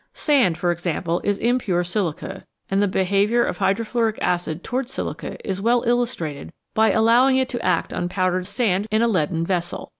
Sand, for example, is impure silica, and the behaviour of hydrofluoric acid towards silica is well illus trated by allowing it to act on powdered sand in a leaden vessel.